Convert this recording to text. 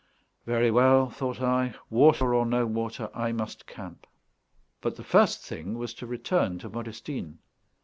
"Very well," thought I, "water or no water, I must camp." But the first thing was to return to Modestine.